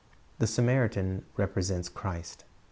This Samaritan represents Christ.